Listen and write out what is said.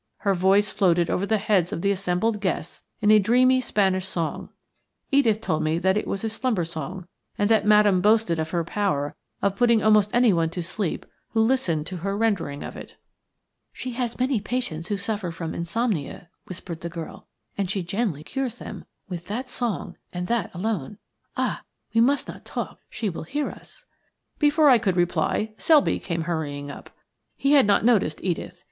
Her voice floated over the heads of the assembled guests in a dreamy Spanish song. Edith told me that it was a slumber song, and that Madame boasted of her power of putting almost anyone to sleep who listened to her rendering of it. "She has many patients who suffer from insomnia," whispered the girl, "and she generally cures them with that song, and that alone. Ah! we must not talk; she will hear us." Before I could reply Selby came hurrying up. He had not noticed Edith.